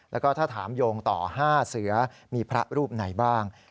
แล้วก็ถ้าถามโยงต่อ๕เสือมีพระรูปไหนบ้าง